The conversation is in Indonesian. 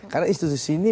karena institusi ini